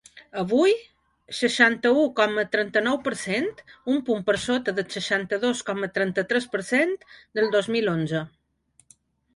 Avui, seixanta-u coma trenta-nou per cent, un punt per sota del seixanta-dos coma trenta-tres per cent del dos mil onze.